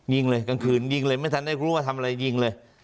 ยิงเลยกลางคืนยิงเลยไม่ทันได้รู้ว่าทำอะไรยิงเลย